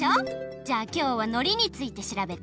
じゃあきょうはのりについてしらべて。